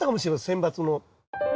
選抜の。